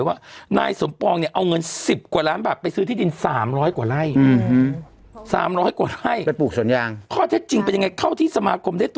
วันนี้แม้กระทั่งเกาะอะไรนะ